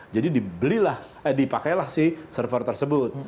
jadi dibelilah eh dipakailah si server tersebut